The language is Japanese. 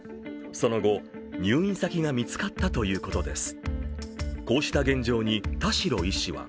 その後、入院先が見つかったということです。